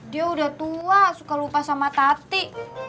dia udah tua suka lupa sama tati